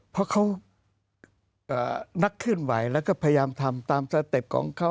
เพราะเขานักเคลื่อนไหวแล้วก็พยายามทำตามสเต็ปของเขา